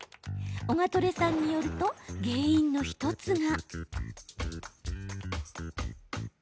オガトレさんによると原因の１つが。